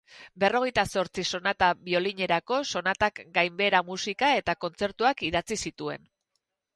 Berrogeita zortzi sonata biolinerako, sonatak, ganbera-musika eta kontzertuak idatzi zituen.